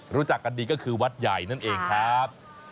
รู้จักกันดีก็คือวัดใหญ่นั่นเองครับ